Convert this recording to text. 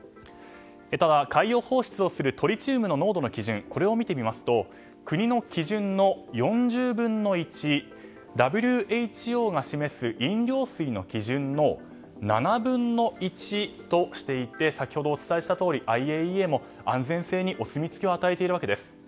ただ、海洋放出をするトリチウム濃度の基準を見ると国の基準の４０分の１、ＷＨＯが示す飲料水の基準の７分の１としていて先ほどお伝えしたとおりＩＡＥＡも、安全性にお墨付きを与えています。